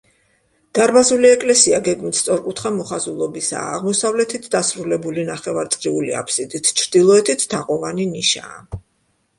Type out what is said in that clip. დარბაზული ეკლესია გეგმით სწორკუთხა მოხაზულობისაა, აღმოსავლეთით დასრულებული ნახევარწრიული აბსიდით, ჩრდილოეთით თაღოვანი ნიშაა.